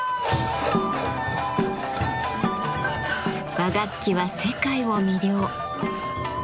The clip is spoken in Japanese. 和楽器は世界を魅了。